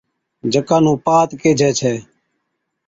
جڪا نُون پَھات ڪيجھي ڇَي